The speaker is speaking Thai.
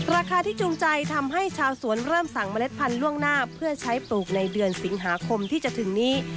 ราคาที่จูงใจทำให้ชาวสวนเริ่มสั่งเมล็ดพันธุ์ล่วงหน้าเพื่อใช้ปลูกในเดือนสิงหาคมที่จะถึงนี้